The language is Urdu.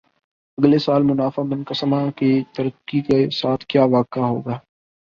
اگلے سال منافع منقسمہ کی ترقی کے ساتھ کِیا واقع ہو گا